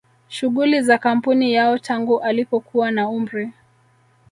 shughuli za kampuni yao tangu alipokuwa na umri